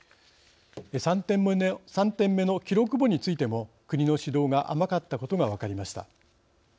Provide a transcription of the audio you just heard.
３点目の記録簿についても国の指導が甘かったことが分かりました。